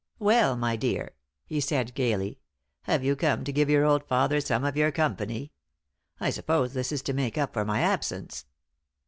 "Well, my dear," he said, gaily, "have you come to give your old father some of your company? I suppose this is to make up for my absence."